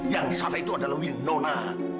yang salah itu adalah winona